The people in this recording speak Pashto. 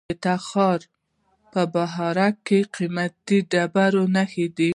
د تخار په بهارک کې د قیمتي ډبرو نښې دي.